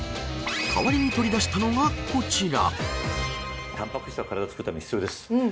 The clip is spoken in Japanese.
代わりに取り出したのがこちら。